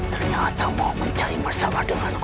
ternyata mau mencari bersama denganku